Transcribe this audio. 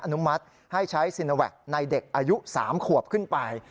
อนุมัติให้ใช้ซิโนแวคในเด็กอายุ๓ขวบขึ้นไป